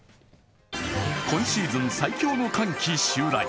今シーズン最強の寒気襲来。